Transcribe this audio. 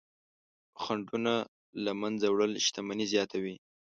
خنډونه له منځه وړل شتمني زیاتوي.